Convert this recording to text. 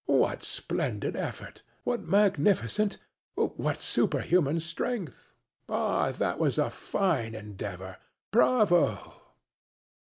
What splendid effort! what magnificent, what superhuman strength! Ah, that was a fine endeavor! Bravo!